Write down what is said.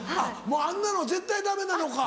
もうあんなのは絶対ダメなのか。